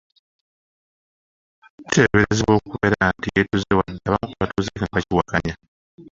Kiteeberezebwa okubeera nti yeetuze wadde abamu ku batuuze kino bakiwakanya.